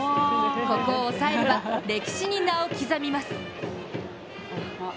ここを抑えれば歴史に名を刻みます。